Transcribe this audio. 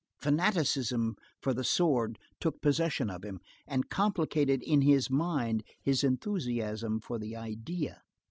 Fanaticism for the sword took possession of him, and complicated in his mind his enthusiasm for the idea.